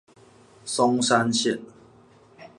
松山線